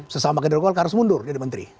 sesama kediri kuala harus mundur jadi menteri